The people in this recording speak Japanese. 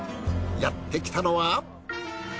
やってきたのは。